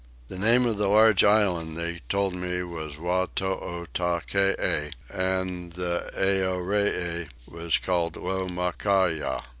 The name of the large island they told me was Wytootackee, and the Earee was called Lomakkayah.